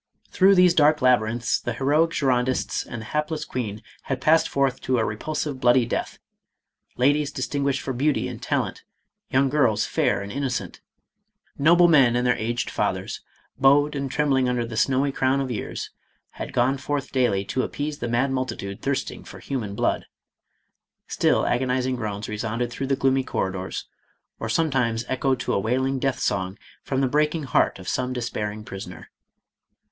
Through these dark laby rinths, the heroic Girondists and the hapless queen had passed forth to a repulsive, bloody death; ladies distin guished for beauty and talent, young girls fair and in ' nocent, noble men and their aged fathers, bowed and trembling under the snowy crown of years, had gone forth daily to appease the mad multitude thirsting for human blood. Still agonizing groans resounded through the gloomy corridors, or sometimes echoed to a wailing death song from the breaking heart of some despairing prisoner.